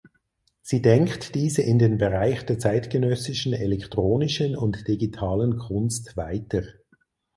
Sie denkt diese in den Bereich der zeitgenössischen elektronischen und digitalen Kunst weiter.